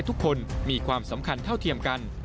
ทุกคนมีความสำคัญเท่าเทียมกัน